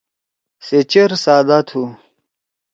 سے چیر سادا تُھو۔